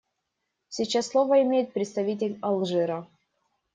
Сейчас слово имеет представитель Алжира.